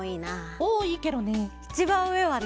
おおいいケロね。